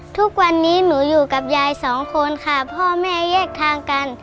ทุกวันนี้หนูอยู่กับยายสองคนค่ะพ่อแม่แยกทางกัน